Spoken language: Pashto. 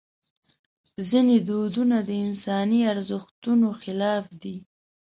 ځینې دودونه د انساني ارزښتونو خلاف دي.